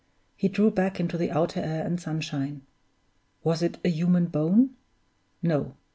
He drew back into the outer air and sunshine. Was it a human bone? No!